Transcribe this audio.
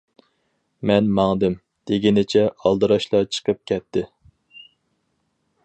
مەن ماڭدىم، -دېگىنىچە ئالدىراشلا چىقىپ كەتتى.